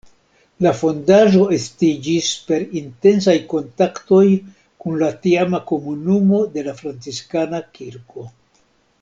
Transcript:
La fondaĵo estiĝis per intensaj kontaktoj kun la tiama komunumo de la Franciskana kirko.